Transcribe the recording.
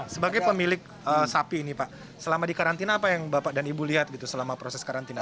sebagai pemilik sapi ini pak selama di karantina apa yang bapak dan ibu lihat gitu selama proses karantina